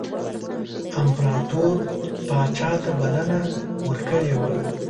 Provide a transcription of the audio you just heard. امپراطور پاچا ته بلنه ورکړې وه.